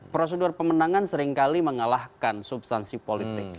prosedur pemenangan seringkali mengalahkan substansi politik